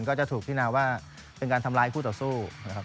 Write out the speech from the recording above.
ก็จะถูกที่นาว่าเป็นการทำลายผู้ต่อสู้